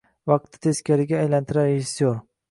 vaqtni teskariga aylantirar rejissyor